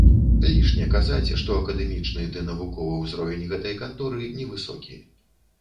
Лішне казаць, што акадэмічны ды навуковы ўзровень гэтай канторы невысокі.